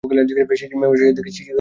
মে মাসের শেষের দিকে চিকাগোয় যাব।